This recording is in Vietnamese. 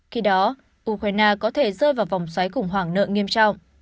khi đó ukraine có thể rơi vào vòng xoáy khủng hoảng nợ nghiêm trọng